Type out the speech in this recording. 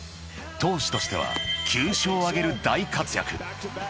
［投手としては９勝を挙げる大活躍］